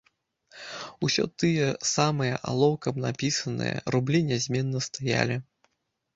Усё тыя самыя, алоўкам напісаныя, рублі нязменна стаялі.